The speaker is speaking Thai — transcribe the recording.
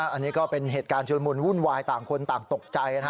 อันนี้ก็เป็นเหตุการณ์ชุลมุนวุ่นวายต่างคนต่างตกใจ